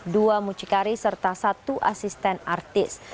dua mucikari serta satu asisten artis